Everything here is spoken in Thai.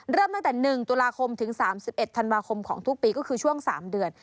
เริ่มตั้งแต่๑ตุลาคมถึง๓๑ธันวาคมของทุกปีก็คือช่วง๓เดือน